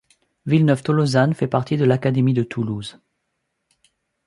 Villeneuve-Tolosane fait partie de l'académie de Toulouse.